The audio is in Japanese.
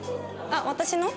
あっ私の？